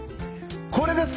これですか。